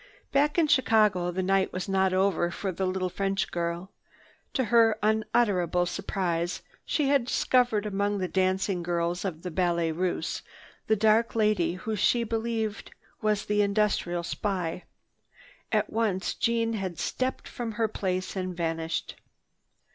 Back in Chicago the night was not over for the little French girl. To her unutterable surprise, she had discovered among the dancing girls of the Ballet Russe the dark lady who she believed was the industrial spy. At once Jeanne had stepped from her place and vanished.